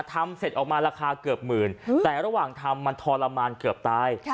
ทำเสร็จออกมาราคาเกือบหมื่นแต่ระหว่างทำมันทรมานเกือบตาย